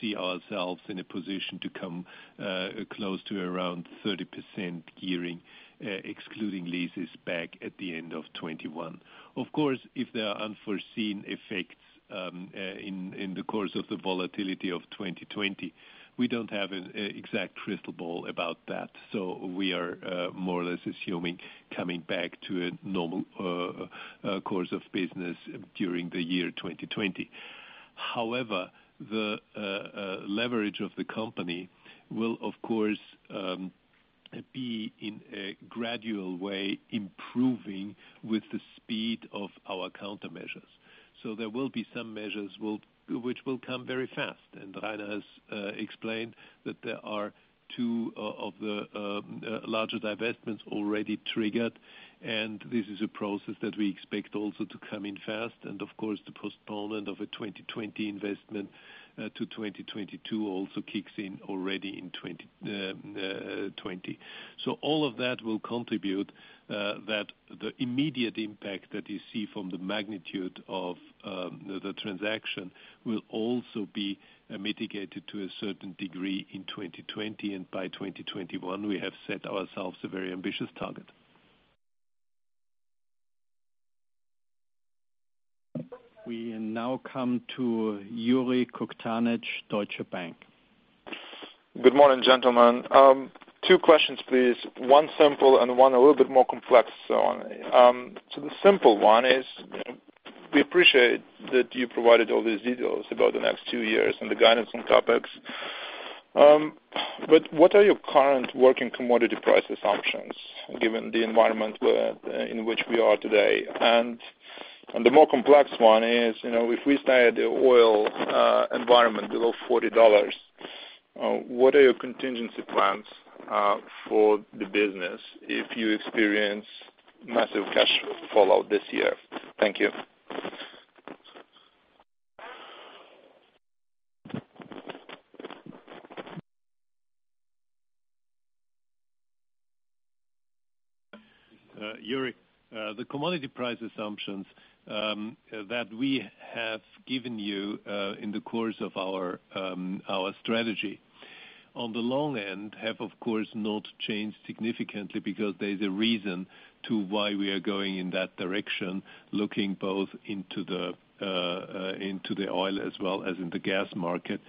see ourselves in a position to come close to around 30% gearing, excluding leases back at the end of 2021. Of course, if there are unforeseen effects in the course of the volatility of 2020, we don't have an exact crystal ball about that. We are more or less assuming coming back to a normal course of business during the year 2020. However, the leverage of the company will of course be in a gradual way improving with the speed of our countermeasures. There will be some measures which will come very fast. Rainer has explained that there are two of the larger divestments already triggered, and this is a process that we expect also to come in fast. Of course, the postponement of a 2020 investment to 2022 also kicks in already in 2020. All of that will contribute that the immediate impact that you see from the magnitude of the transaction will also be mitigated to a certain degree in 2020. By 2021, we have set ourselves a very ambitious target. We now come to Yuriy Kukhtanych, Deutsche Bank. Good morning, gentlemen. Two questions please, one simple and one a little bit more complex. The simple one is, we appreciate that you provided all these details about the next two years and the guidance on topics. What are your current working commodity price assumptions, given the environment in which we are today? The more complex one is, if we stay at the oil environment below $40, what are your contingency plans for the business if you experience massive cash fallout this year? Thank you. Yuriy, the commodity price assumptions that we have given you in the course of our strategy on the long end have, of course, not changed significantly because there's a reason to why we are going in that direction, looking both into the oil as well as in the gas market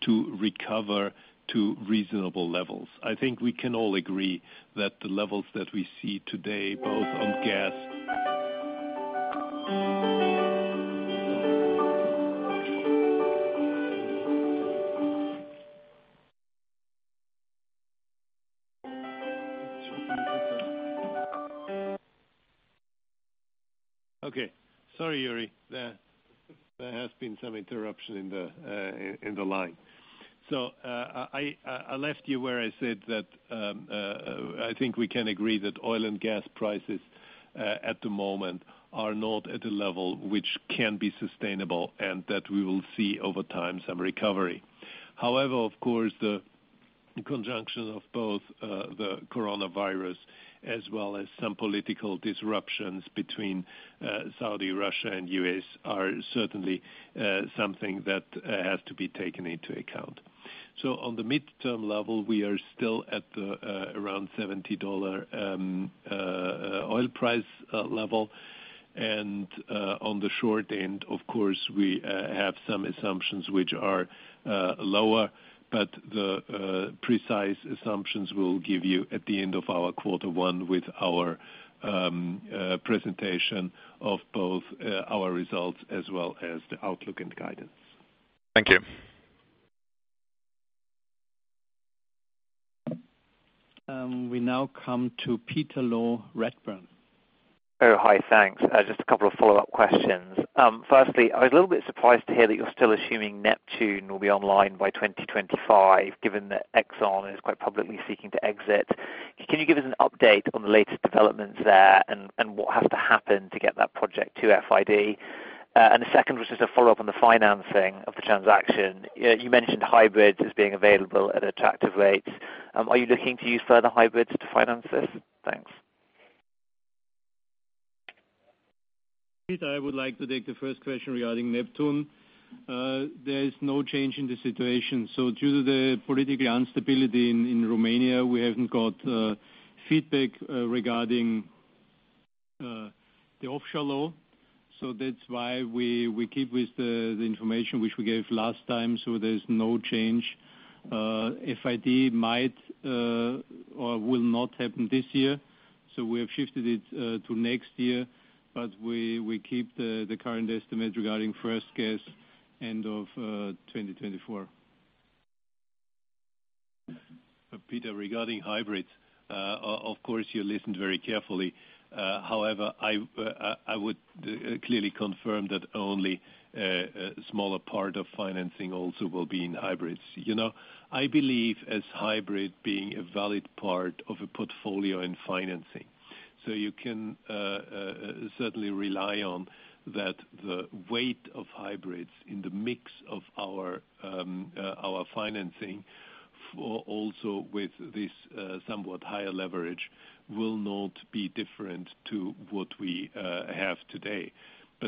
to recover to reasonable levels. I think we can all agree that the levels that we see today, both on gas Okay. Sorry, Yuriy. There has been some interruption in the line. I left you where I said that I think we can agree that oil and gas prices at the moment are not at a level which can be sustainable and that we will see over time some recovery. Of course, the conjunction of both the coronavirus as well as some political disruptions between Saudi, Russia, and U.S. are certainly something that have to be taken into account. On the midterm level, we are still at around $70 oil price level. On the short end, of course, we have some assumptions which are lower, but the precise assumptions we'll give you at the end of our quarter one with our presentation of both our results as well as the outlook and guidance. Thank you. We now come to Peter Low Redburn. Oh, hi, thanks. Just a couple of follow-up questions. I was a little bit surprised to hear that you're still assuming Neptun will be online by 2025, given that Exxon is quite publicly seeking to exit. Can you give us an update on the latest developments there and what has to happen to get that project to FID? The second was just a follow-up on the financing of the transaction. You mentioned hybrids as being available at attractive rates. Are you looking to use further hybrids to finance this? Thanks. Peter, I would like to take the first question regarding Neptun. There is no change in the situation. Due to the political instability in Romania, we haven't got feedback regarding the offshore law. That's why we keep with the information which we gave last time. There's no change. FID might or will not happen this year. We have shifted it to next year. We keep the current estimate regarding first gas end of 2024. Peter, regarding hybrids. Of course, you listened very carefully. I would clearly confirm that only a smaller part of financing also will be in hybrids. I believe as hybrid being a valid part of a portfolio in financing. You can certainly rely on that the weight of hybrids in the mix of our financing, also with this somewhat higher leverage, will not be different to what we have today.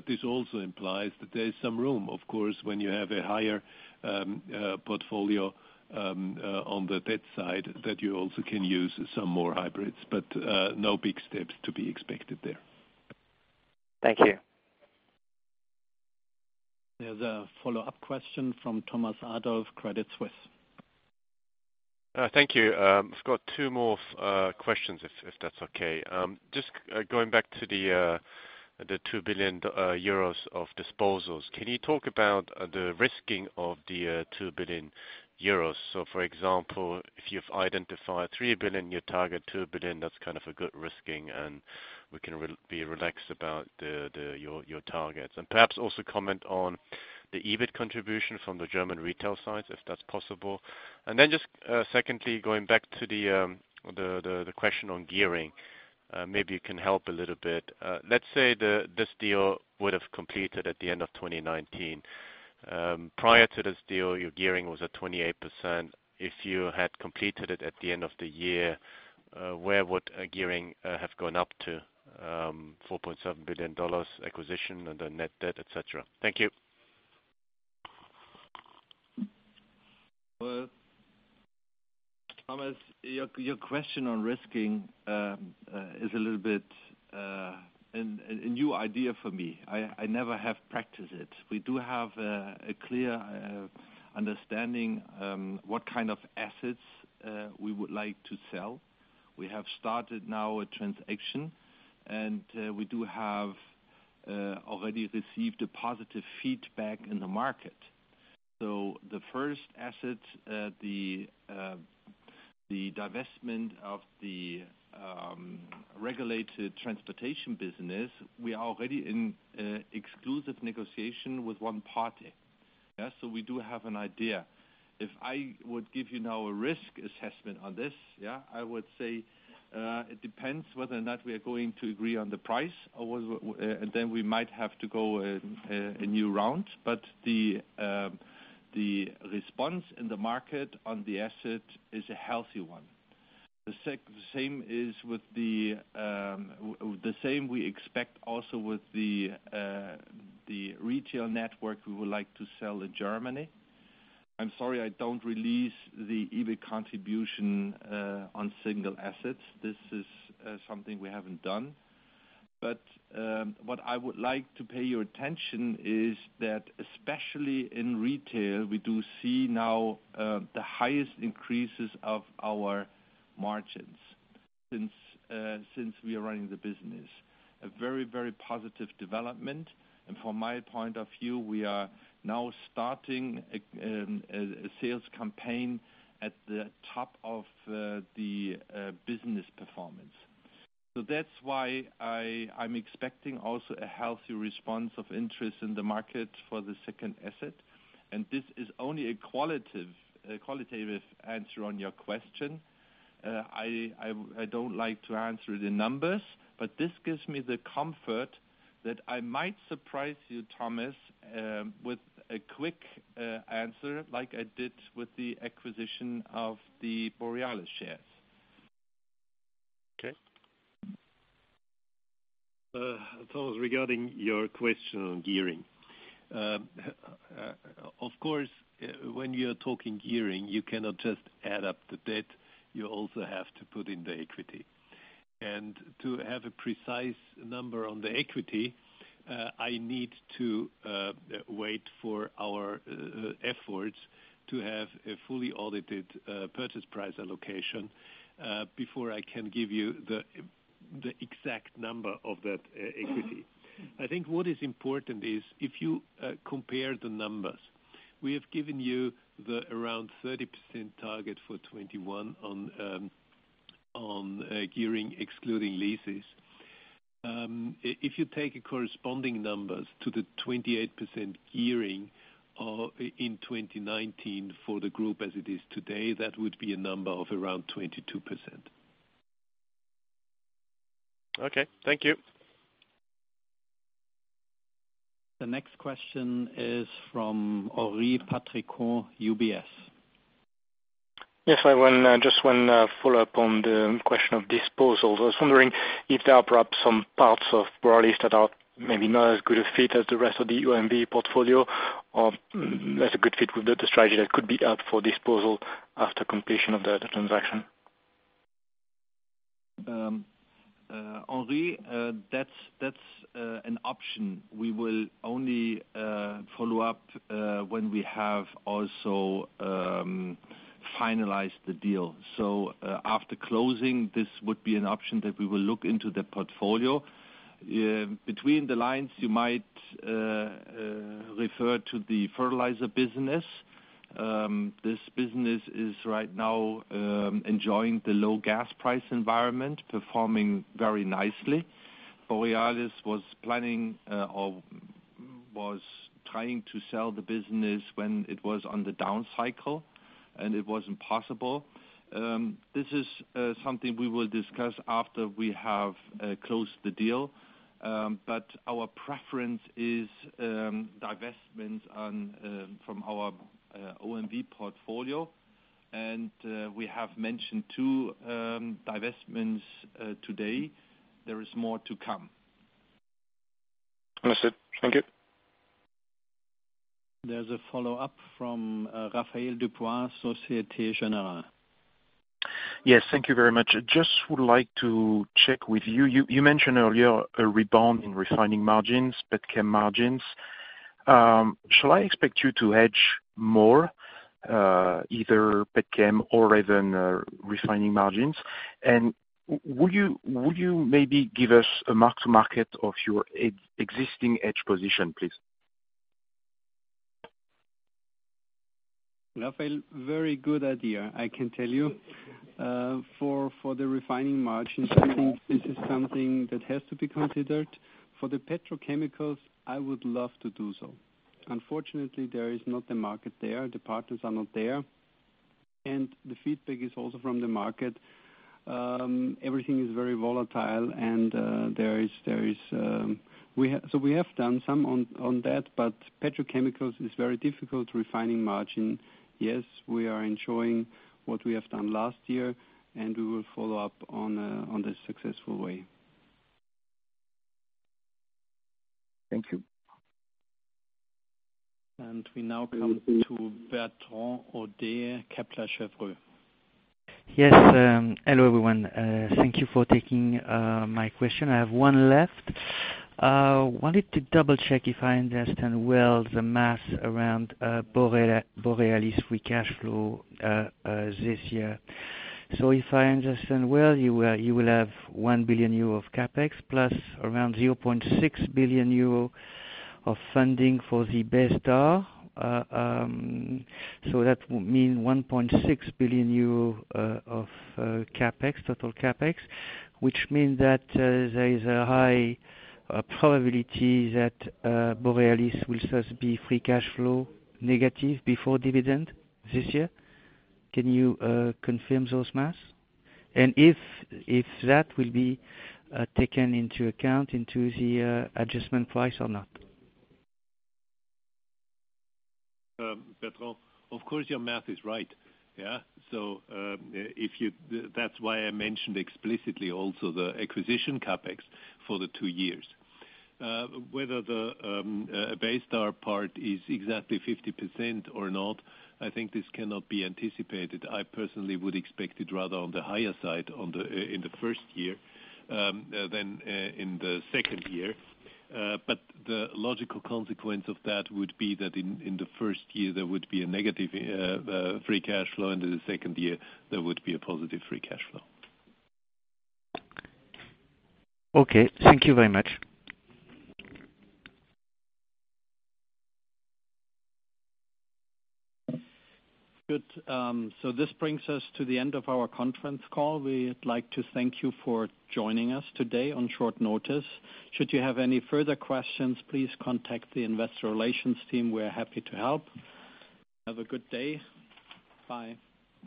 This also implies that there is some room, of course, when you have a higher portfolio on the debt side, that you also can use some more hybrids, but no big steps to be expected there. Thank you. There's a follow-up question from Thomas Adolff, Credit Suisse. Thank you. I've got two more questions, if that's okay. Just going back to the 2 billion euros of disposals. Can you talk about the risking of the 2 billion euros? So for example, if you've identified 3 billion, you target 2 billion, that's kind of a good risking, and we can be relaxed about your targets. And perhaps also comment on the EBIT contribution from the German retail side, if that's possible. Just secondly, going back to the question on gearing. Maybe you can help a little bit. Let's say this deal would have completed at the end of 2019. Prior to this deal, your gearing was at 28%. If you had completed it at the end of the year, where would gearing have gone up to? $4.7 billion acquisition and the net debt, et cetera. Thank you. Well, Thomas, your question on risking is a little bit a new idea for me. I never have practiced it. We do have a clear understanding what kind of assets we would like to sell. We have started now a transaction, and we do have Already received a positive feedback in the market. The first asset, the divestment of the regulated transportation business, we are already in exclusive negotiation with one party. We do have an idea. If I would give you now a risk assessment on this, I would say it depends whether or not we are going to agree on the price, and then we might have to go a new round. The response in the market on the asset is a healthy one. The same we expect also with the retail network we would like to sell in Germany. I'm sorry I don't release the EBIT contribution on single assets. This is something we haven't done. What I would like to pay your attention is that especially in retail, we do see now the highest increases of our margins since we are running the business. A very, very positive development. From my point of view, we are now starting a sales campaign at the top of the business performance. That's why I'm expecting also a healthy response of interest in the market for the second asset. This is only a qualitative answer on your question. I don't like to answer the numbers, but this gives me the comfort that I might surprise you, Thomas, with a quick answer like I did with the acquisition of the Borealis shares. Okay. Thomas, regarding your question on gearing. When you're talking gearing, you cannot just add up the debt. You also have to put in the equity. To have a precise number on the equity, I need to wait for our efforts to have a fully audited purchase price allocation, before I can give you the exact number of that equity. I think what is important is if you compare the numbers. We have given you the around 30% target for 2021 on gearing, excluding leases. If you take corresponding numbers to the 28% gearing in 2019 for the group as it is today, that would be a number of around 22%. Okay. Thank you. The next question is from Henri Patricot, UBS. Yes. Just one follow-up on the question of disposals. I was wondering if there are perhaps some parts of Borealis that are maybe not as good a fit as the rest of the OMV portfolio, or as a good fit with the strategy that could be up for disposal after completion of the transaction. Henri, that's an option. We will only follow up when we have also finalized the deal. After closing, this would be an option that we will look into the portfolio. Between the lines you might refer to the fertilizer business. This business is right now enjoying the low gas price environment, performing very nicely. Borealis was trying to sell the business when it was on the down cycle, and it wasn't possible. This is something we will discuss after we have closed the deal. Our preference is divestments from our OMV portfolio. We have mentioned two divestments today. There is more to come. Understood. Thank you. There's a follow-up from Raphaël Dubois, Societe Generale. Yes. Thank you very much. Just would like to check with you. You mentioned earlier a rebound in refining margins, pet chem margins. Shall I expect you to hedge more, either pet chem or even refining margins? Would you maybe give us a mark to market of your existing hedge position, please? Raphaël, very good idea. I can tell you, for the refining margins, I think this is something that has to be considered. For the petrochemicals, I would love to do so. Unfortunately, there is not a market there. The partners are not there. The feedback is also from the market. Everything is very volatile, so we have done some on that, but petrochemicals is very difficult. Refining margin, yes, we are enjoying what we have done last year, and we will follow up on the successful way. Thank you. We now come to Bertrand Hodée, Kepler Cheuvreux. Yes. Hello, everyone. Thank you for taking my question. I have one left. Wanted to double-check if I understand well the maths around Borealis free cash flow this year. If I understand well, you will have 1 billion euro of CapEx plus around 0.6 billion euro of funding for the Baystar. That would mean 1.6 billion euro of total CapEx, which means that there is a high probability that Borealis will first be free cash flow negative before dividend this year. Can you confirm those maths? And if that will be taken into account into the adjustment price or not? Bertrand, of course your math is right. Yeah. That's why I mentioned explicitly also the acquisition CapEx for the two years. Whether the Baystar part is exactly 50% or not, I think this cannot be anticipated. I personally would expect it rather on the higher side in the first year than in the second year. The logical consequence of that would be that in the first year, there would be a negative free cash flow, and in the second year, there would be a positive free cash flow. Okay. Thank you very much. Good. This brings us to the end of our conference call. We'd like to thank you for joining us today on short notice. Should you have any further questions, please contact the investor relations team. We are happy to help. Have a good day. Bye.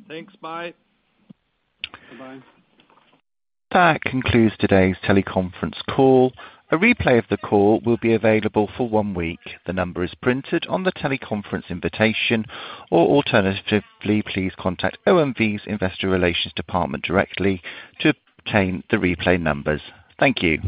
Thanks, bye. Bye-bye. That concludes today's teleconference call. A replay of the call will be available for one week. The number is printed on the teleconference invitation, or alternatively, please contact OMV's investor relations department directly to obtain the replay numbers. Thank you.